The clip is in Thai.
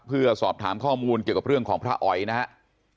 เพื่อสอบถามข้อมูลเกี่ยวกับเรื่องของพระอ๋อยนะครับ